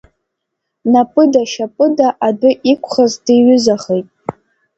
Напыда-шьапыда адәы иқәхаз диҩызахеит.